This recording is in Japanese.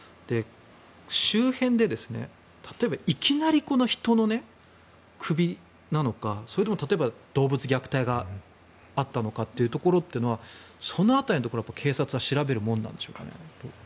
周辺で例えば、いきなり人の首なのかそれとも例えば動物虐待があったのかというところはその辺りのところは警察は調べるものなんでしょうか？